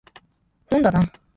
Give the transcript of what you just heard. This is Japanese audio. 本だな